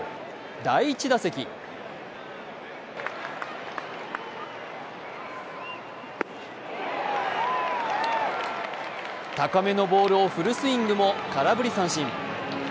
第１打席高めのボールをフルスイングも空振り三振。